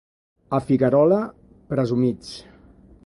A Figuerola, presumits.